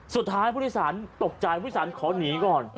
สุดท้ายผู้โดยสารตกใจผู้โดยสารขอหนีก่อน